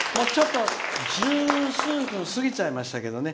十数分過ぎちゃいましたけどね。